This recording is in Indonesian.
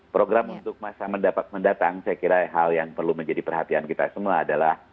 program untuk masa mendatang saya kira hal yang perlu menjadi perhatian kita semua adalah